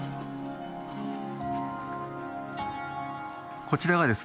こちらがですね